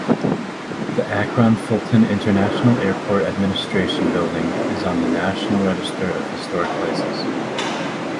The Akron-Fulton International Airport Administration Building is on the National Register of Historic Places.